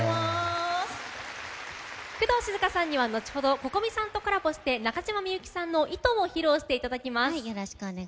工藤静香さんにはのちほどＣｏｃｏｍｉさんとコラボして中島みゆきさんの「糸」を披露していただきます。